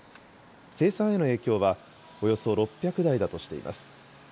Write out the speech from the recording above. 生産への影響は、およそ６００台だとしています。